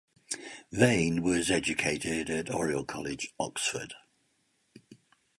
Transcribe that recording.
Vane was educated at Oriel College, Oxford.